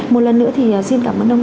một lần nữa thì xin cảm ơn ông